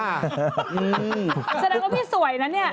แสดงว่าพี่สวยนะเนี่ย